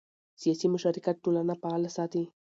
سیاسي مشارکت ټولنه فعاله ساتي